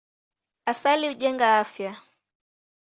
Asali hujenga afya.